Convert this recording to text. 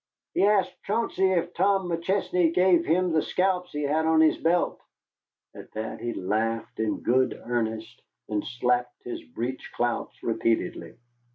"She asked Chauncey if Tom McChesney gave him the scalps he had on his belt." At that he laughed in good earnest, and slapped his breech clouts repeatedly.